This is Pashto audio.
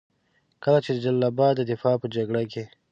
کله چې د جلال اباد د دفاع په جګړه کې.